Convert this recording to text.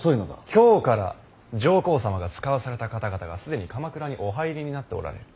京から上皇様が遣わされた方々が既に鎌倉にお入りになっておられる。